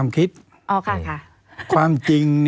ความจริง